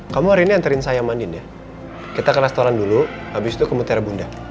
kamu hari ini antarin saya mandin ya kita ke restoran dulu abis itu ke mutera bunda